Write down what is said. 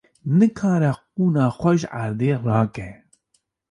Nikare qûna xwe ji erdê rake.